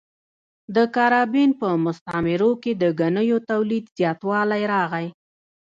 د کارابین په مستعمرو کې د ګنیو تولید زیاتوالی راغی.